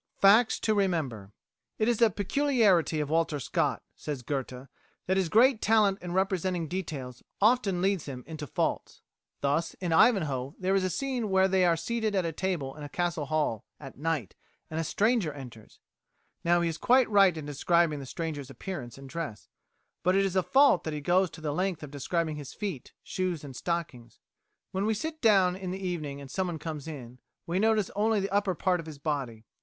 FACTS TO REMEMBER "It is a peculiarity of Walter Scott," says Goethe, "that his great talent in representing details often leads him into faults. Thus in 'Ivanhoe' there is a scene where they are seated at a table in a castle hall, at night, and a stranger enters. Now he is quite right in describing the stranger's appearance and dress, but it is a fault that he goes to the length of describing his feet, shoes and stockings. When we sit down in the evening and someone comes in, we notice only the upper part of his body.